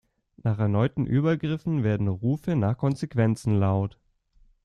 Nach erneuten Übergriffen werden Rufe nach Konsequenzen laut.